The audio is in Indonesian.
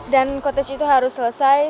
dan kote itu harus selesai